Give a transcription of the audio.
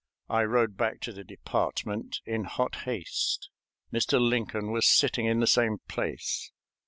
I rode back to the department in hot haste. Mr. Lincoln was sitting in the same place.